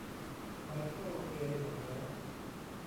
ไมเคิล เบย์เหรอ